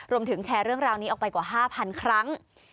แชร์เรื่องราวนี้ออกไปกว่า๕๐๐๐ครั้ง